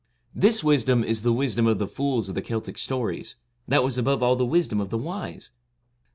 ' This wisdom is the wisdom of the fools of the Celtic stories, that was above all the wisdom of the wise.